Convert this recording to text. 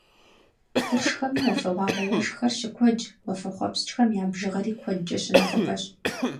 Къуршхэми уафэгъуагъуэ уэшхыр щыкуэдщ, уафэхъуэпскӏхэм я бжыгъэри куэдкӏэ щынэхъыбэщ.